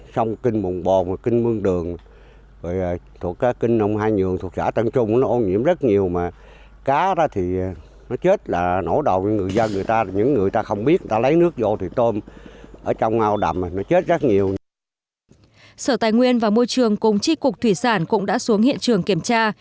sở tài nguyên và môi trường cùng tri cục thủy sản cũng đã xuống hiện trường kiểm tra